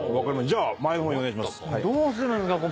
じゃあ前の方にお願いします。